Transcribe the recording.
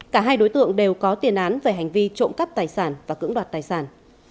cả hai đối tượng đều có tiền án về hành vi trộm cắp tài sản và cưỡng đoạt tài sản